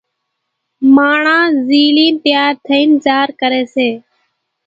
ماڻۿان زيلين تيار ٿئين زار ڪري سي،